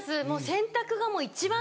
洗濯が一番大変。